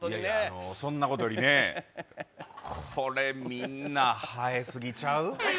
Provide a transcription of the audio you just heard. そんなことよりね、これ、みんな生えすぎちゃう？